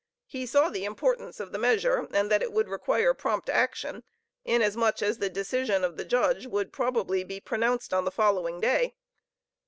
He saw the importance of the measure, and that it would require prompt action, inasmuch as the decision of the judge would probably be pronounced on the following day.